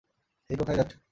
হেই, কোথায় যাচ্ছ?